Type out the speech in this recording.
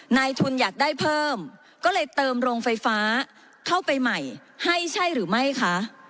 นายทุนอยากได้เพิ่มก็เลยเติมโรงไฟฟ้าเข้าไปใหม่ให้ใช่หรือไม่คะ